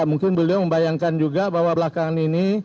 mungkin beliau membayangkan juga bahwa belakangan ini